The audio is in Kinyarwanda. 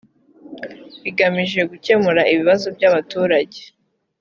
bigamije gukemura ibibazo by abaturage